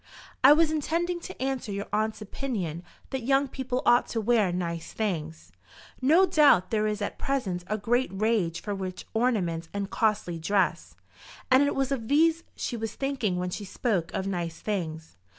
"I was intending to answer your aunt's opinion that young people ought to wear nice things. No doubt there is at present a great rage for rich ornaments and costly dress, and it was of these she was thinking when she spoke of nice things.